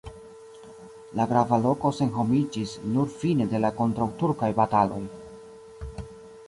La grava loko senhomiĝis nur fine de la kontraŭturkaj bataloj.